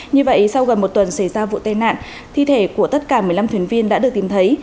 như vậy sau gần một tuần xảy ra vụ tai nạn thi thể của tất cả một mươi năm thuyền viên đã được tìm thấy